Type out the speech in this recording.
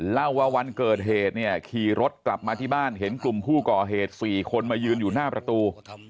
เล่าว่าวันเกิดเหตุเนี่ยขี่รถกลับมาที่บ้านเห็นกลุ่มผู้ก่อเหตุ๔คนมายืนอยู่หน้าประตู